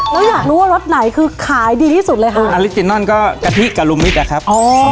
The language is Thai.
แล้วอยากรู้ว่ารสไหนคือขายดีที่สุดเลยค่ะอลิจินอนก็กะทิกะลุมิตรอะครับอ๋อ